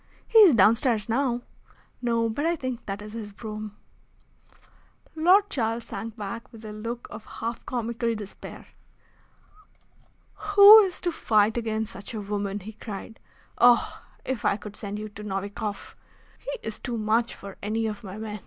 "He is downstairs now." "No; but I think that is his brougham." Lord Charles sank back with a look of half comical despair. "Who is to fight against such a woman?" he cried. "Oh! if I could send you to Novikoff! He is too much for any of my men.